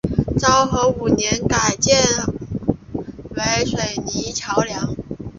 昭和五年改建为水泥桥梁。